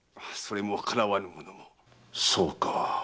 そうか。